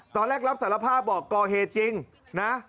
ตอนแรกรับสารภาพบอกก่อเหตุจริงนะ